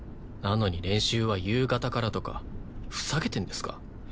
なのに練習は夕方からとかふざけてんですか？